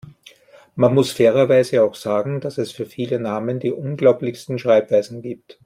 Man muss fairerweise auch sagen, dass es für viele Namen die unglaublichsten Schreibweisen gibt.